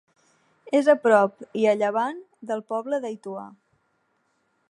És a prop i a llevant del poble d'Aituà.